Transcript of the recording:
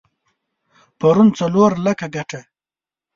پرون څلور لکه ګټه؛